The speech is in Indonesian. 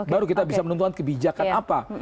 baru kita bisa menentukan kebijakan apa